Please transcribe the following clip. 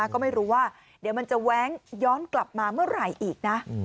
ก็ไม่รู้ว่าเดี๋ยวมันจะแว้งย้อนกลับมาเมื่อไหร่อีกนะ